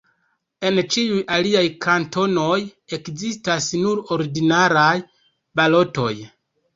En ĉiuj aliaj kantonoj ekzistas nur ordinaraj balotoj.